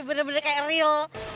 bener bener kayak real